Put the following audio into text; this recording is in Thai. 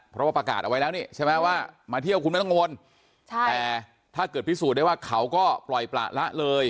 เพราะว่าประกาศเอาไว้แล้วนี่มาเที่ยวคุณพนักงวลแต่ถ้าเกิดพิสูจน์ได้ว่าเขาก็ปล่อยประละเลย